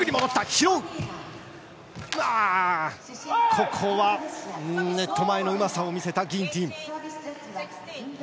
ここは、ネット前のうまさを見せたギンティン。